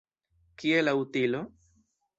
Kie la utilo?